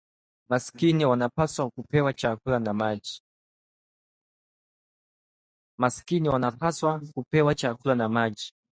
masikini wanapaswa kupewa chakula na maji